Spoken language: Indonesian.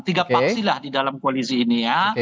tiga paksi lah di dalam koalisi ini ya